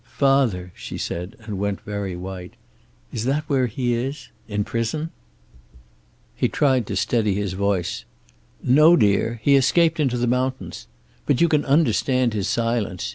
"Father!" she said, and went very white. "Is that where he is? In prison?" He tried to steady his voice. "No, dear. He escaped into the mountains. But you can understand his silence.